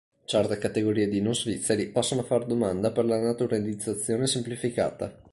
Certe categorie di non svizzeri possono far domanda per la naturalizzazione semplificata.